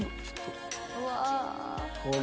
うわ。